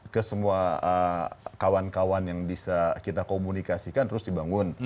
ke semua kawan kawan yang bisa kita komunikasikan terus dibangun